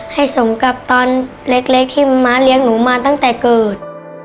ให้สมกับตอนเล็กที่ม้าเลี้ยงหนูมาตั้งแต่เกิด